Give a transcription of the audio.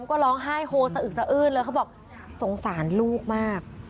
ก็ร้องไห้โฮสะอึกสะอื้นเลยเขาบอกสงสารลูกมาก